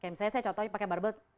misalnya saya contoh pakai barbell